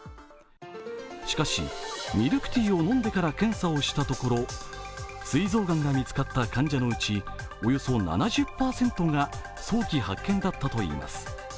しかしミルクティーを飲んでから検査をしたところすい臓がんが見つかった患者のうち、およそ７０％が早期発見だったといいます。